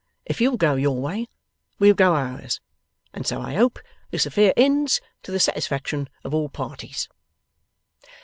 If you'll go your way, we'll go ours, and so I hope this affair ends to the satisfaction of all parties.